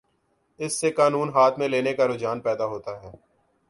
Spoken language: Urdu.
اس سے قانون ہاتھ میں لینے کا رجحان پیدا ہوتا ہے۔